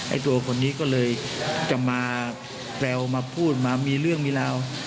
ตัวคนนี้ก็เลยจะมาแปลวมาพูดมามีเรื่องมีราว